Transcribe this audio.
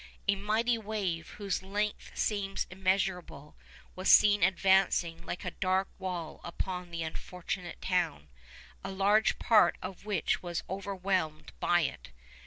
A mighty wave, whose length seemed immeasurable, was seen advancing like a dark wall upon the unfortunate town, a large part of which was overwhelmed by it.